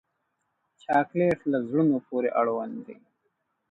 چاکلېټ له زړونو پورې اړوند دی.